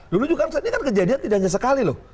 dulu juga ini kan kejadian tidak hanya sekali loh